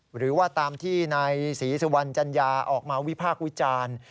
หรือว่าตามที่นายศรีสุวรรณจัญญาออกมาวิพากษ์วิจารณ์